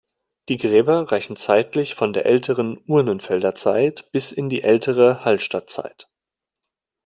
Die Gräber reichen zeitlich von der älteren Urnenfelderzeit bis in die ältere Hallstattzeit.